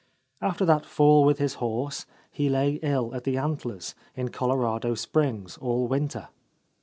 After that fall with his horse, he lay ill at the Antlers, in Colorado Springs, all winter.